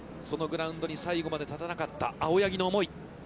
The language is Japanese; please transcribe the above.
そのグラウンドに最後まで立てなかった青柳の思い。